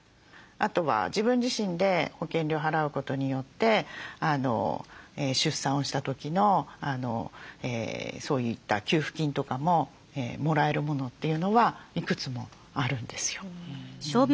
あとは自分自身で保険料払うことによって出産をした時のそういった給付金とかももらえるものというのはいくつもあるんですよ。